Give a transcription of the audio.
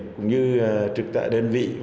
cũng như trực tại đơn vị